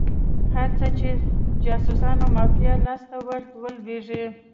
هر څه د جاسوسانو مافیا لاس ته ور ولویږي.